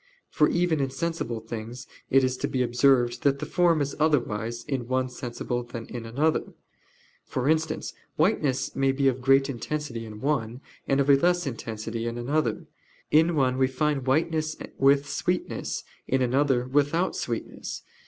For even in sensible things it is to be observed that the form is otherwise in one sensible than in another: for instance, whiteness may be of great intensity in one, and of a less intensity in another: in one we find whiteness with sweetness, in another without sweetness.